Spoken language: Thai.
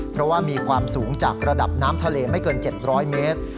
เพราะว่ามีความสูงจากระดับน้ำทะเลไม่เกิน๗๐๐เมตร